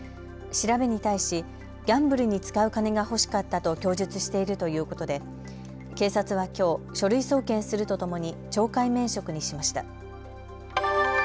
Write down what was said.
調べに対しギャンブルに使う金が欲しかったと供述しているということで警察はきょう、書類送検するとともに懲戒免職にしました。